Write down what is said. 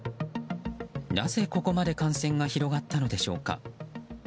なぜ、ここまで感染が広がったのでしょうか。